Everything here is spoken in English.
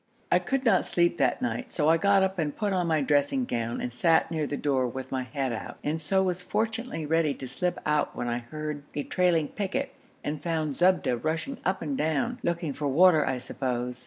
I could not sleep that night, so I got up and put on my dressing gown and sat near the door with my head out, and so was fortunately ready to slip out when I heard a trailing picket, and found Zubda rushing up and down, looking for water I suppose.